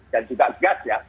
dan juga gas ya